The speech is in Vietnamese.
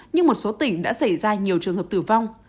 nhưng một số tỉnh đã xảy ra nhiều trường hợp tử vong